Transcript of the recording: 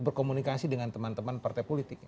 berkomunikasi dengan teman teman partai politik